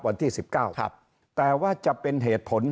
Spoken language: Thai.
วันที่๑๙แต่ว่าจะเป็นเหตุผล